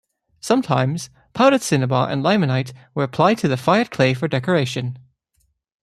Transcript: Sometimes powdered cinnabar and limonite were applied to the fired clay for decoration.